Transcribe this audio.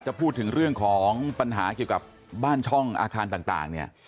พูดถึงเรื่องของปัญหาเกี่ยวกับบ้านช่องอาคารต่างเนี่ย